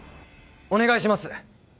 お願いします